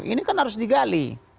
ini kan harus digali